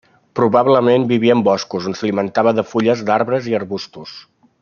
Probablement vivia en boscos, on s'alimentava de fulles d'arbres i arbustos.